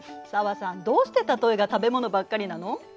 紗和さんどうして例えが食べ物ばっかりなの？